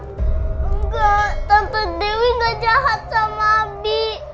enggak tante dewi gak jahat sama abi